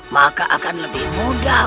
maka akan lebih mudah